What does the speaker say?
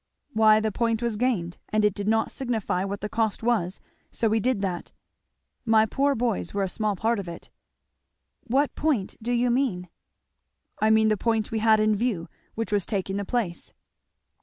"Why, the point was gained! and it did not signify what the cost was so we did that. My poor boys were a small part of it." "What point do you mean?" "I mean the point we had in view, which was taking the place."